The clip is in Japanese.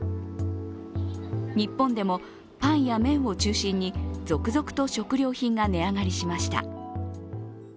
日本でもパンや麺を中心に続々と食料品が値上がりしました。